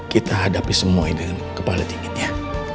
kita hadapi semua ini dengan kepala tingginya